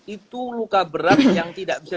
itu luka berat yang tidak bisa